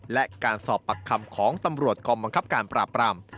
และการสอบปากคำของตำรวจกองบังคับการปราบราม